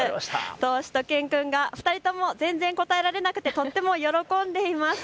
しゅと犬くんが２人とも全然、答えられなくてとっても喜んでいます。